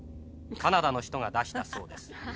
カナダの人が出したそうです。